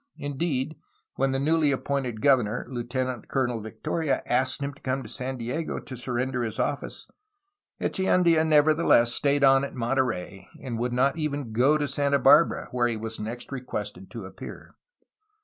Indeed, when the newly appointed governor, Lieutenant Colonel Victoria, 460 A HISTORY OF CALIFORNIA asked him to come to San Diego to surrender his office, Echeandla nevertheless stayed on at Monterey, and would not even go to Santa Barbara where he was next requested to appear.